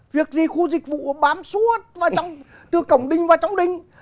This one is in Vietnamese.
việc gì khu dịch vụ bám suốt từ cổng đình vào trong đình